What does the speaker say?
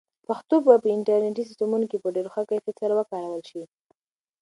پښتو به په انټرنیټي سیسټمونو کې په ډېر ښه کیفیت سره وکارول شي.